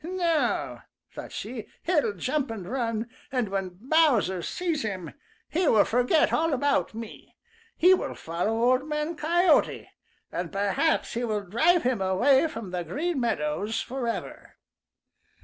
"Now," thought she, "he'll jump and run, and when Bowser sees him, he will forget all about me. He will follow Old Man Coyote, and perhaps he will drive him away from the Green Meadows forever."